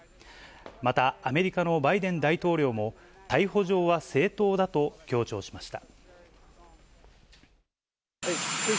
またアメリカのバイデン大統領も、逮捕状は正当だと強調しました。